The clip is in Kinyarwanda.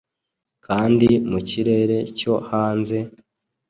Kandi mu kirere cyo hanze,